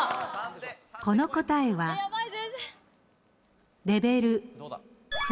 この答えはレベル３。